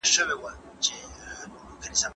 بهرنۍ پالیسي د هیواد لپاره اقتصادي هوساینه راوړي.